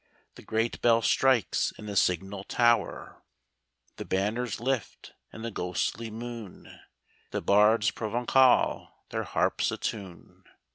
The great bell strikes in the signal tower, The banners lift in the ghostly moon. The bards Proven9al their harps attune.